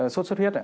suốt suốt huyết